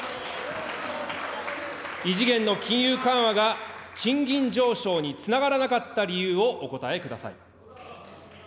異次元の金融緩和が賃金上昇につながらなかった理由をお答えください。